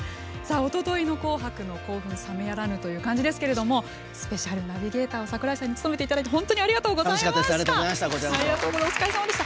おとといの「紅白」の興奮冷めやらぬ感じですがスペシャルナビゲーターを櫻井さんに務めていただいて本当にありがとうございました。